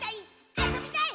あそびたい！